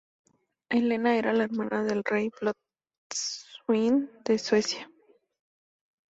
Helena era la hermana del rey Blot-Sven de Suecia.